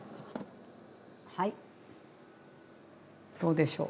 はいどうでしょう。